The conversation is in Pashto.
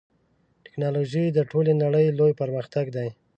ټکنالوژي د ټولې نړۍ لوی پرمختګ دی.